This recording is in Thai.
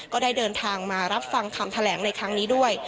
ก็ได้เดินทางมารับฟังคำแถลงในครั้งนี้ด้วย